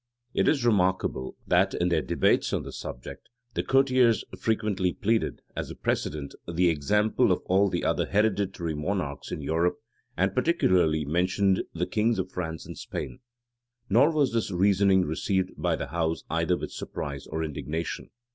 It is remarkable, that, in their debates on this subject, the courtiers frequently pleaded, as a precedent, the example of all the other hereditary monarchs in Europe, and particularly mentioned the kings of France and Spain; nor was this reasoning received by the house either with surprise or indignation.